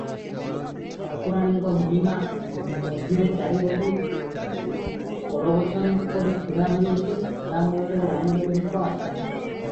ଠାକୁରାଣୀଙ୍କ ମହିମା! ମଝିରେ ଚାରିଗୋଟି ଓର ଗଛପରି ଛିଡ଼ାହୋଇଅଛି, ତାହା ମୂଳରେ ଗ୍ରାମ ଦେବତୀଙ୍କ ଆସ୍ଥାନ ।